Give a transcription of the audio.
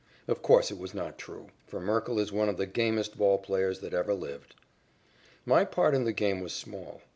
Of course it was not true, for Merkle is one of the gamest ball players that ever lived. My part in the game was small.